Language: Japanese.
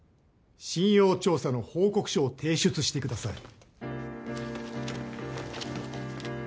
信用調査の報告書を提出してください。